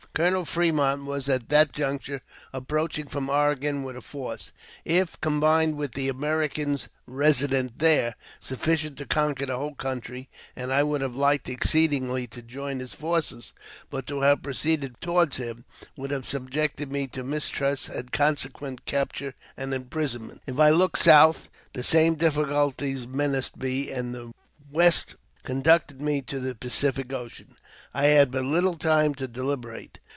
Colonel Fremont w^as at that juncture approaching from Oregon with a force, if combined with the Americans resident there, sufficient to conquer the whole country, and I would have liked ex ceedingly to join his forces, but to have proceeded toward him would have subjected me to mistrust, and consequent capture and imprisonment. If I looked south the same difficulties menaced me, and the west conducted me to the Pacific Ocean. I had but little time to deliberate.